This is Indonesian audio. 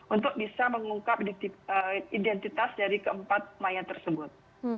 untuk bisa mengungkap identitas dari keempat mayat tersebut